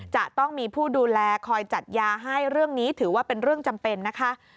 จะต้องมีผู้ดูแลคอยจัดยาให้เรื่องนี้ถือว่าเป็นเรื่องจำเป็นนะคะ